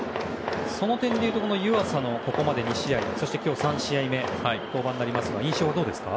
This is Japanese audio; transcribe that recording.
その点で言うと湯浅のここまで２試合今日３試合目の登板となりますが印象はどうですか？